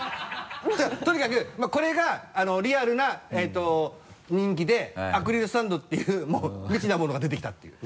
とにかくこれがリアルな人気でアクリルスタンドっていう未知なものが出てきたっていう。